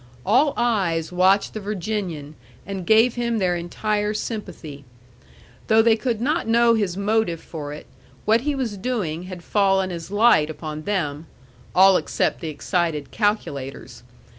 All eyes watched the Virginian and gave him their entire sympathy. Though they could not know his motive for it, what he was doing had fallen as light upon them all except the excited calculators.